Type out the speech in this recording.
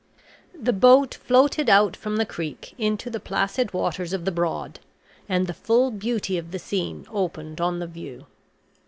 The boat floated out from the creek into the placid waters of the Broad, and the full beauty of the scene opened on the view.